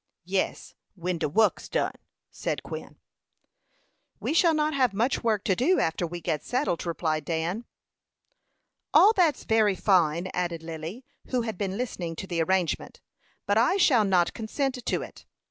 "Yes, when de wuck's done," said Quin. "We shall not have much work to do after we get settled," replied Dan. "All that's very fine," added Lily, who had been listening to the arrangement; "but I shall not consent to it.